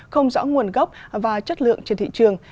không rõ nguồn gốc và chất lượng trên thị trường